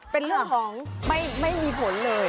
เป็นเรื่องของไม่มีผลเลย